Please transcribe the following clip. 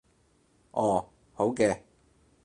哦，好嘅